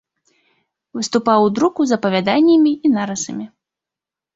Выступаў у друку з апавяданнямі і нарысамі.